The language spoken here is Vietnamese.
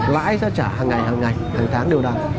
lãi sẽ trả hằng ngày hằng ngày hằng tháng đều đạt